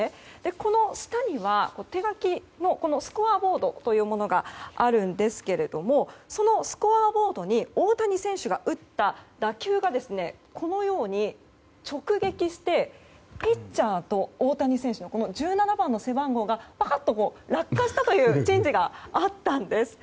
この下には手書きのスコアボードがあるんですがそのスコアボードに大谷選手が打った打球が直撃してピッチャーと大谷選手の１７番の背番号が落下したという珍事があったんです。